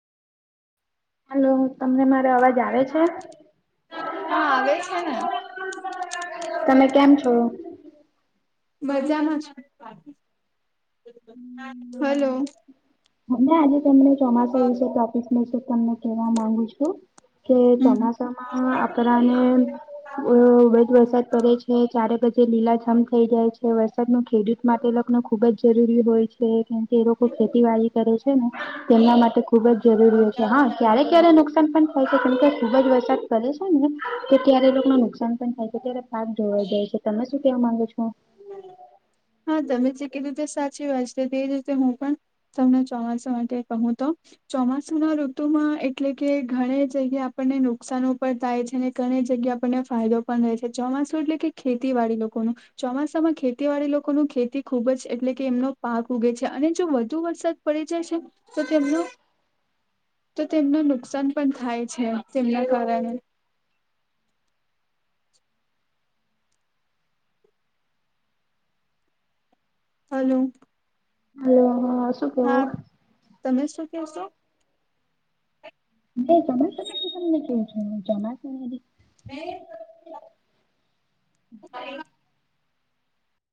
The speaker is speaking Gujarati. હેલો તમને મારો અવાજ આવે છે. હા આવે છેને. તમે કેમ છો? મજામાં હેલો હુ આજે તમને ચોમાસા વિશે ટોપિક વિશે તમને કહેવા માંગુ છુ. કે હમ. ચોમાસામાં આપણને વરસાદ પડે છે ચારે બજે લીલા છમ થઈ જાય છે વરસાદ ન ખેડૂત માટે લોકો ને ખુબ જ જરૂરી હોય છે. કેમ કે એ લોકો ખેતીવાડી કરે છેને તેમના માટે ખુબ જ જરૂરી છે હા ક્યારેક ક્યારેક નુકસાન પણ થાય છે કેમ કે ખુબ જ વરસાદ પડે છેને તો ત્યારે લોકોને નુકસાન પણ થાય છે ત્યારે પાક ધોવાઈ જાય છે તમે શું કેવા માંગો છો? હા તમે જે કે રીતે સાચી વાત છે તે જ રીતે હું પણ સૌને ચોમાસા માટે કહું તો ચોમાસુ ના ઋતુમાં એટલે કે ઘણી જગ્યા આપણને નુકસાન પણ થાય છેને ઘણી જગ્યા આપણને ફાયદો પણ રહે છે. ચોમાસું એટલે કે ખેતીવાડી લોકો નુ ચોમાસામાં ખેતીવાડી લોકો ની ખેતી ખુબ જ એટલે કે એમનો પાક ઉગે છે અને જો વધુ વરસાદ પડી જાયશે તો તેમ નો તો તેમનું નુકસાન પણ થાય છે. તેમના કારણે હેલો હ હા શું કેવો હા, તમે શું ક્યોછો? ન જમા સામને ક છ જમા શ